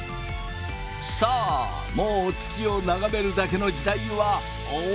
さあもう月を眺めるだけの時代は終わりだ！